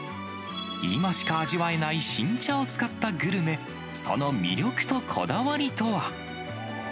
今しか味わえない新茶を使ったグルメ、その魅力とこだわりとは。